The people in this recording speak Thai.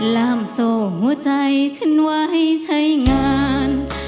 ลามโซ่หัวใจฉันไว้ใช้งาน